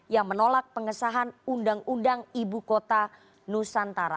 yang menolak pengesahan undang undang ibu kota nusantara